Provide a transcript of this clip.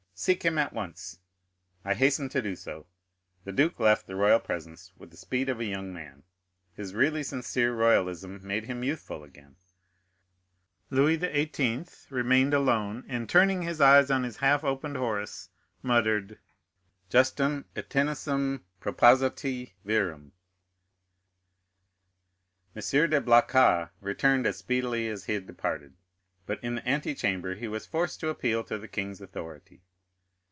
"Seek him at once." "I hasten to do so." The duke left the royal presence with the speed of a young man; his really sincere royalism made him youthful again. Louis XVIII. remained alone, and turning his eyes on his half opened Horace, muttered: "Justum et tenacem propositi virum." M. de Blacas returned as speedily as he had departed, but in the antechamber he was forced to appeal to the king's authority.